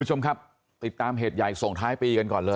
คุณผู้ชมครับติดตามเหตุใหญ่ส่งท้ายปีกันก่อนเลย